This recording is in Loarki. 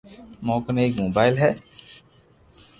مون ڪني ايڪ موبائل ھي